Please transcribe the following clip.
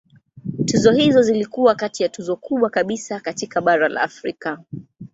Tuzo hizo zilikuwa kati ya tuzo kubwa kabisa katika bara la Afrika.